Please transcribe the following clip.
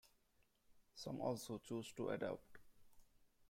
Some also choose to adopt.